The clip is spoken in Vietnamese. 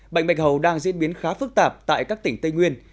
bệnh bạch hầu đang diễn biến khá phức tạp tại các tỉnh tây nguyên